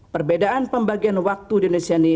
perbedaan pembagian waktu di indonesia ini